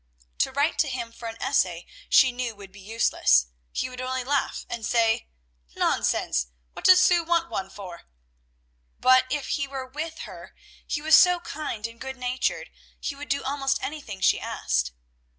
To write to him for an essay she knew would be useless; he would only laugh, and say, "Nonsense! what does Sue want one for?" but if he were with her, he was so kind and good natured, he would do almost anything she asked.